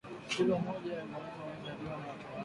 kilo moja ya viazi inaweza liwa na watu nne